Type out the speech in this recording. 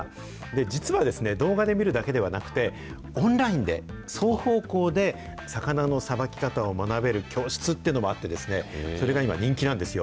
実は、動画で見るだけではなくて、オンラインで、双方向で魚のさばき方を学べる教室っていうのもあって、それが今、人気なんですよ。